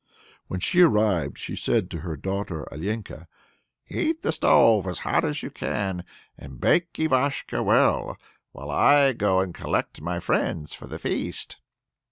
When she arrived she said to her daughter Alenka, "Heat the stove as hot as you can, and bake Ivashko well, while I go and collect my friends for the feast."